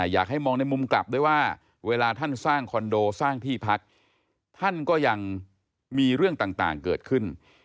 อยากให้มองในมุมกลับด้วยว่าเวลาท่านสร้างคอนโดสร้างที่พักท่านก็ยังมีเรื่องต่างเกิดขึ้น